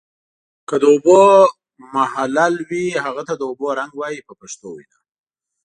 که د اوبو محلل وي هغه ته د اوبو رنګ وایي په پښتو وینا.